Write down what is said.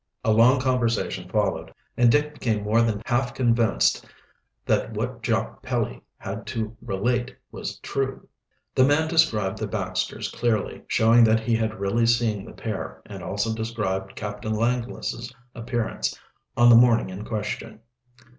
A long conversation followed, and Dick became more than half convinced that what Jock Pelly had to relate was true. The man described the Baxters clearly, showing that he had really seen the pair, and also described Captain Langless' appearance on the morning in question.